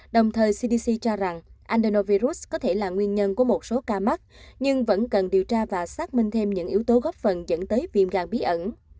đồng thời cdc cho rằng andenovirus có thể là nguyên nhân của một số ca mắc nhưng vẫn cần điều tra và xác minh thêm những yếu tố góp phần dẫn tới viêm gan bí ẩn